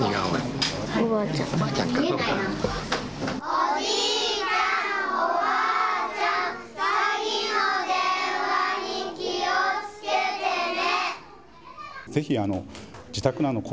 おじいちゃん、おばあちゃん、詐欺の電話に気をつけてね。